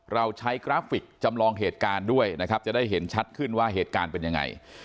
เราใช้กราฟิกจำลองเหตุการณ์ด้วยนะครับจะได้เห็นชัดขึ้นว่าเหตุการณ์เป็นยังไง